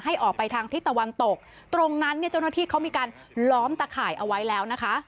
ออกไปทางทิศตะวันตกตรงนั้นเนี่ยเจ้าหน้าที่เขามีการล้อมตะข่ายเอาไว้แล้วนะคะ